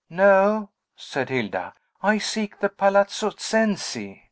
"No," said Hilda; "I seek the Palazzo Cenci."